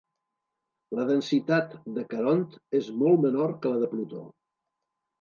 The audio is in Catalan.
La densitat de Caront és molt menor que la de Plutó.